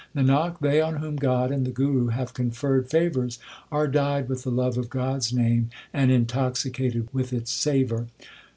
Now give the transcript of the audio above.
Nanak, they on whom God and the Guru have conferred favours, Are dyed with the love of God s name and intoxicated with its savour.